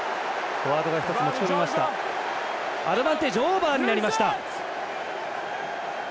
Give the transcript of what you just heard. アドバンテージオーバーになりました。